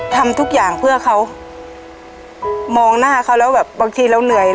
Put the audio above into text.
ทำเยอะมากเลยนะลูก